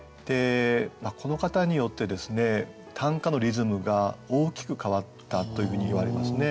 この方によって短歌のリズムが大きく変わったというふうにいわれますね。